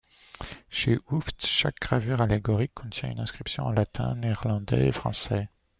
Chez Hooft, chaque gravure allégorique contient une inscription en latin, néerlandais et français.